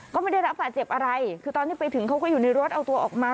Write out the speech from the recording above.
ก็ไม่ได้รับบาดเจ็บอะไรคือตอนที่ไปถึงเขาก็อยู่ในรถเอาตัวออกมา